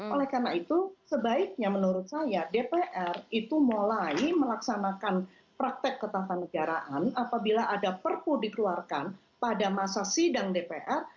oleh karena itu sebaiknya menurut saya dpr itu mulai melaksanakan praktek ketatanegaraan apabila ada perpu dikeluarkan pada masa sidang dpr